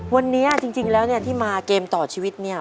วันนี้จริงแล้วที่มาเกมต่อชีวิตนี่